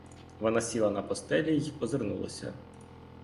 Вона сіла на постелі й озирнулася.